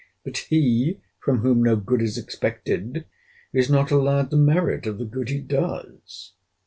—But he, from whom no good is expected, is not allowed the merit of the good he does.